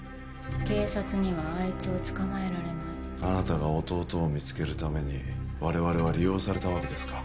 警察にはあいつを捕まえられないあなたが弟を見つけるために我々は利用されたわけですか？